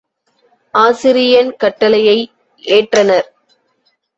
ஆசிரியன் கட்டளையை ஏற்றனர்.